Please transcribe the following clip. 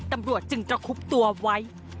ตำรวจจึงตระคุบตัวไว้